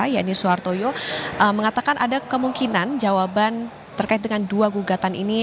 yannie soehartoyo mengatakan ada kemungkinan jawaban terkait dengan dua gugatan ini